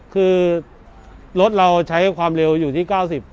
คือรถเราใช้ความเร็วอยู่ที่๙๐